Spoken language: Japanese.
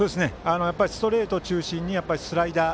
ストレート中心にスライダー。